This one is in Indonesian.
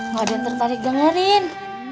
gak ada yang tertarik dengerin